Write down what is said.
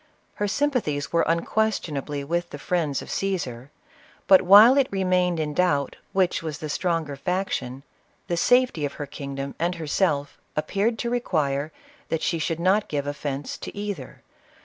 Her sympathies were unquestionably with the friends of Caesar ; but while it remained in doubt which was the stronger faction, the safety of her kingdom and herself appeared to re quire that she should not give offence to either.